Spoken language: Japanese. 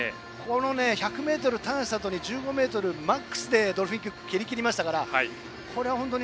１００ｍをターンしたあとに１５ｍ、マックスでドルフィンキックを蹴りました。